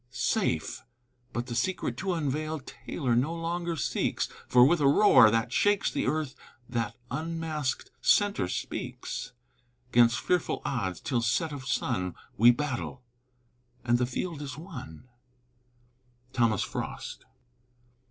Safe! But the secret to unveil Taylor no longer seeks; For with a roar that shakes the earth That unmasked centre speaks! 'Gainst fearful odds, till set of sun, We battle and the field is won! THOMAS FROST.